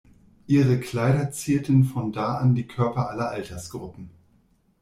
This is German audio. Ihre Kleider zierten von da an die Körper aller Altersgruppen.